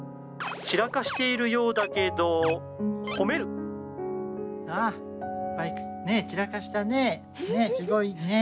散らかしているようだけど「ほめる」いっぱい散らかしたねすごいね。